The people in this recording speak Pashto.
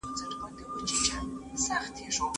زه به اوږده موده کتابتون ته راغلی وم؟